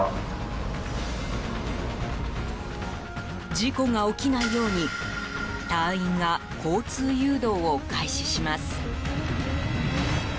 事故が起きないように隊員が交通誘導を開始します。